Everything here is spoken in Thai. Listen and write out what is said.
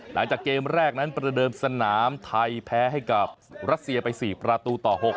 หลังจากเกมแรกนั้นประเดิมสนามไทยแพ้ให้กับรัสเซียไป๔ประตูต่อ๖